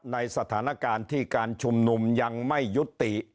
ในสถานการณ์ที่การชุมนุมยังไม่ยุติ